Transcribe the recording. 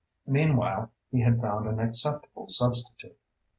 Meanwhile, he had found an acceptable substitute.